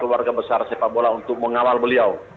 keluarga besar sepak bola untuk mengawal beliau